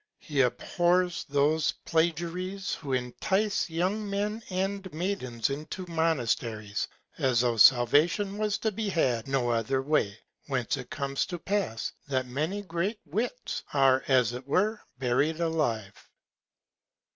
He abhors those Plagiaries who entice young Men and Maids into Monasteries, as though Salvation was to be had no other Way; whence it comes to pass, that many great Wits are as it were buried alive.